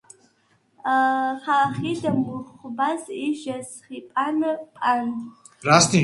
ხაჴიდ მუხვბას ი ჟესსიპა̄ნ ჴანდ.